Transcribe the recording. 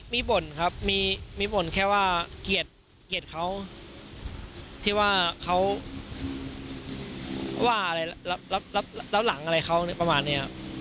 มีบ่นครับมีบ่นแค่ว่าเกลียดเขาที่ว่าเขาว่าอะไรรับหลังอะไรเขาประมาณนี้ครับ